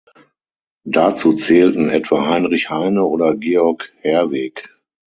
Dazu zählten etwa Heinrich Heine oder Georg Herwegh.